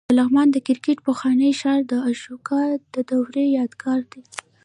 د لغمان د کرکټ پخوانی ښار د اشوکا د دورې یادګار دی